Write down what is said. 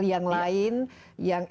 yang lain yang